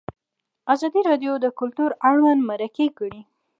ازادي راډیو د کلتور اړوند مرکې کړي.